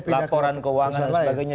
laporan keuangan dan sebagainya